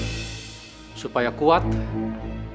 harusnya anak ini diberi asing